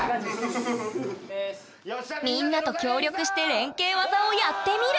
みんなと協力して連携技をやってみる！